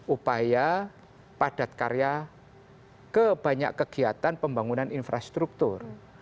upaya padat karya kebanyak kegiatan pembangunan infrastruktur